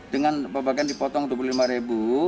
dengan pembagian dipotong rp dua puluh lima